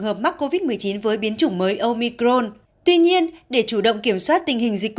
hợp mắc covid một mươi chín với biến chủng mới omicron tuy nhiên để chủ động kiểm soát tình hình dịch